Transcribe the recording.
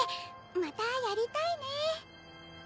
またやりたいね。